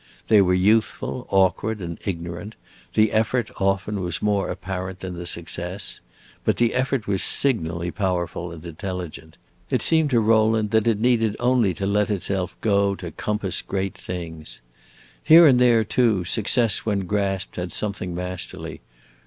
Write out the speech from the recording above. They were youthful, awkward, and ignorant; the effort, often, was more apparent than the success. But the effort was signally powerful and intelligent; it seemed to Rowland that it needed only to let itself go to compass great things. Here and there, too, success, when grasped, had something masterly.